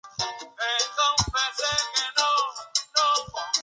Al anochecer del día siguiente durante un paseo en el auto, Mrs.